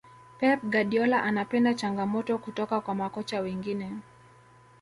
pep guardiola anapenda changamoto kutoka kwa makocha wengine